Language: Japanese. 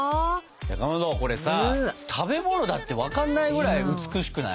かまどこれさ食べ物だって分かんないぐらい美しくない？